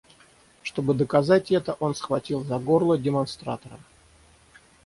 Чтобы доказать это, он схватил за горло демонстратора.